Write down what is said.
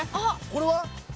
これは？